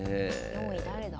４位誰だ？